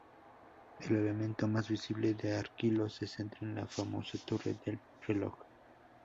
El elemento más visible de Arquillos se centra en la famosa Torre del reloj.